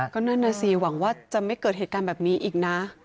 ก็นั่นน่ะสิหวังว่าจะไม่เกิดเหตุการณ์แบบนี้อีกนะ